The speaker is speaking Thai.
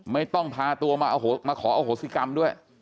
ไม่ต้องพาตัวมาขออโหสิกรรมด้วย